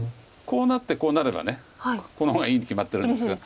こうなってこうなればこの方がいいに決まってる。